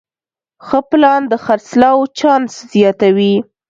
ښه پلان د خرڅلاو چانس زیاتوي.